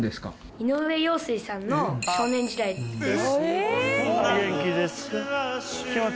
井上陽水さんの少年時代です。